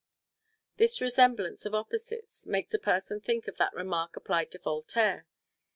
This resemblance of opposites makes a person think of that remark applied to Voltaire.